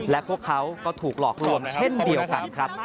และพวกเขาก็ถูกหลอกลวงเช่นเดียวกันครับ